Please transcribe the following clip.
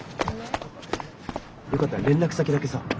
よかったら連絡先だけさ。